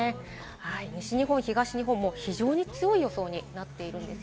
西日本、東日本も非常に強い予想になっています。